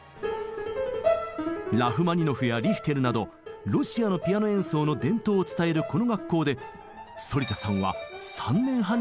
ラフマニノフやリヒテルなどロシアのピアノ演奏の伝統を伝えるこの学校で反田さんは３年半にわたり研さんを積みました。